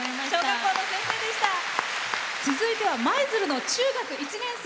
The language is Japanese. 続いては舞鶴の中学１年生。